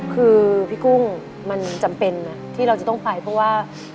คือพี่กุ้งมันจำเป็นนะที่เราจะต้องไปเพราะว่า